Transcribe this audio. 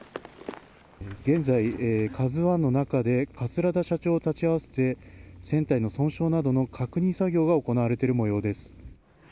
現在、「ＫＡＺＵ１」の中で桂田社長を立ち会わせて船体の損傷などについて確認作業が行われているもようです。